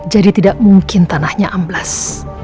jadi tidak mungkin tanahnya amblas